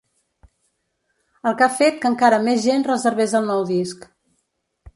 El que ha fet que encara més gent reservés el nou disc.